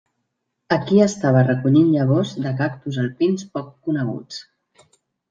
Aquí estava recollint llavors de cactus alpins poc coneguts.